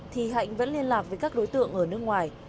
thì hạnh vẫn liên lạc với các đối tượng ở nước ngoài